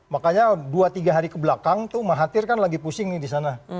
makanya dua tiga hari kebelakang tuh mahathir kan lagi pusing nih di sana